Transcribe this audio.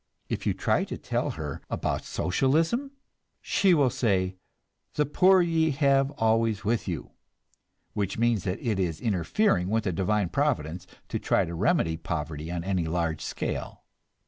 If you try to tell her about Socialism, she will say, "The poor ye have always with you"; which means that it is interfering with Divine Providence to try to remedy poverty on any large scale.